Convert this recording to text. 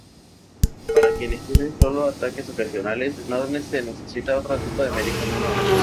Para quienes tienen solo ataques ocasionales, no se necesita otro tipo de medicamento.